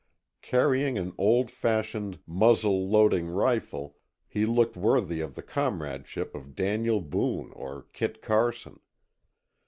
Carrying an old fashioned, muzzle loading rifle, he looked worthy of the comradeship of Daniel Boone or Kit Carson.